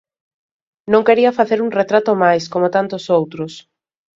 Non quería facer un retrato máis, coma tantos outros.